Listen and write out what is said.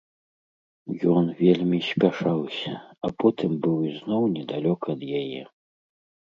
Ён вельмі спяшаўся, а потым быў ізноў недалёка ад яе.